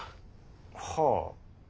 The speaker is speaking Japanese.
はあ。